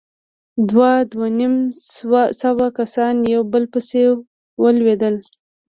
دوه، دوه نيم سوه کسان يو په بل پسې ولوېدل.